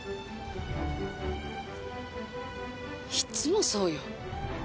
いつもそうよ。